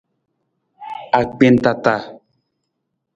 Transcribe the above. Agbentata.